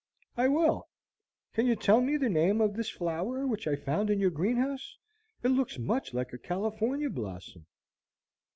"I will. Can you tell me the name of this flower which I found in your greenhouse. It looks much like a California blossom."